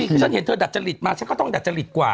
คือฉันเห็นเธอดัจจริตมาฉันก็ต้องดัจจริตกว่า